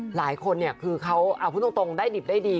หลายคนเนี่ยคือเขาพูดตรงได้ดิบได้ดี